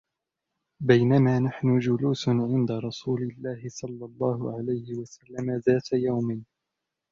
بَينَما نَحْنُ جُلُوسٌ عِنْدَ رَسُولِ اللهِ صَلَّى اللهُ عَلَيْهِ وَسَلَّمَ ذاتَ يَوْمٍ